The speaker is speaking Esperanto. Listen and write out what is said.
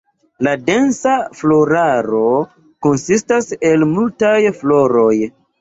La densa floraro konsistas el multaj floroj.